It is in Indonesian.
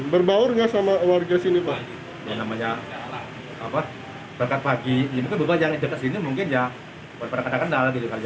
gitu berbau nggak sama warga sini pak namanya apa terpaki ini mungkin ya